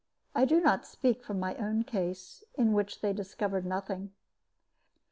I do not speak from my own case, in which they discovered nothing.